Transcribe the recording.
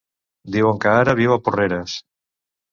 Diuen que ara viu a Porreres.